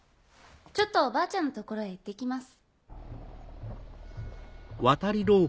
ちょっとおばあちゃんの所へ行ってきます。